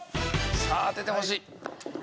さあ当ててほしい。